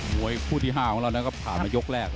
มวยคู่ที่๕ของเรานั้นก็ผ่านมายกแรก